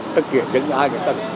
tất cả những ai